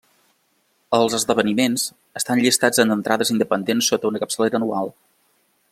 Els esdeveniments estan llistats en entrades independents sota una capçalera anual.